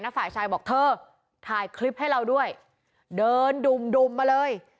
ฝ่ายชายบอกเธอถ่ายคลิปให้เราด้วยเดินดุ่มดุ่มมาเลย